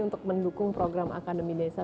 untuk mendukung program akademi desa